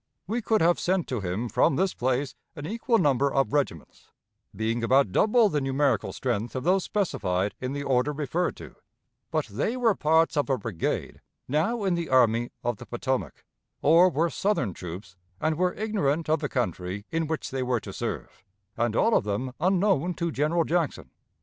We could have sent to him from this place an equal number of regiments, being about double the numerical strength of those specified in the order referred to, but they were parts of a brigade now in the Army of the Potomac, or were southern troops, and were ignorant of the country in which they were to serve, and all of them unknown to General Jackson.